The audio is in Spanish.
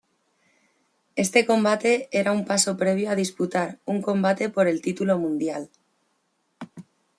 Este combate era un paso previo a disputar un combate por el título mundial.